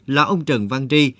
là ông trần văn ri